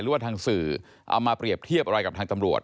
หรือว่าทางสื่อเอามาเปรียบเทียบอะไรกับทางตำรวจ